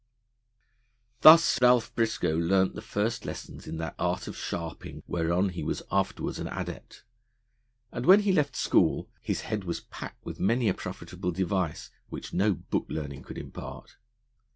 Thus Ralph Briscoe learnt the first lessons in that art of sharping wherein he was afterwards an adept; and when he left school his head was packed with many a profitable device which no book learning could impart.